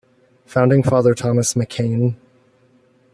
Founding Father Thomas McKean.